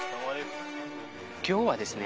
今日はですね